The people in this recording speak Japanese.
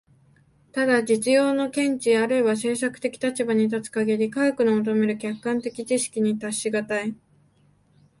ただ実用の見地あるいは政策的立場に立つ限り、科学の求める客観的知識に達し難い。